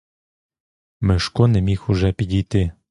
Мишко не міг уже підійти.